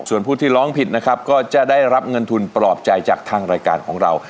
ส่วนผู้ที่ร้องผิดนะครับก็จะได้รับเงินทุนปลอบใจจากทางรายการของเรา